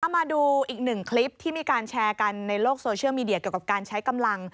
มาดูอีกหนึ่งคลิปที่มีการแชร์กันในโลกโซเชียลมีเดียเกี่ยวกับการใช้กำลัง